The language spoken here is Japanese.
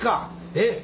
えっ？